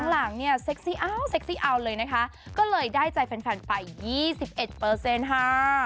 หลังเนี่ยเซ็กซี่เอาเลยนะคะก็เลยได้ใจแฟนไป๒๑ค่ะ